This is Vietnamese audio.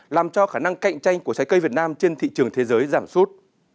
làm cho khả năng cạnh tranh của trái cây việt nam trên thị trường thế giới giảm sút